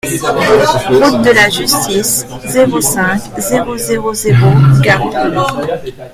Route de la Justice, zéro cinq, zéro zéro zéro Gap